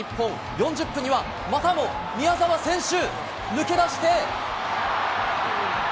４０分には、またも宮澤選手、抜け出して。